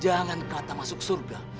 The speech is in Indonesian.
jangan kata masuk surga